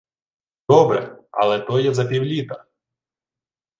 — Добре. Але то є за півліта.